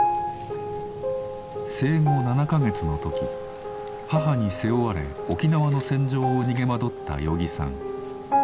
生後７か月の時母に背負われ沖縄の戦場を逃げ惑った与儀さん。